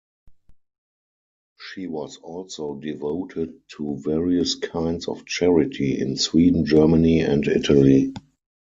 She was also devoted to various kinds of charity, in Sweden, Germany and Italy.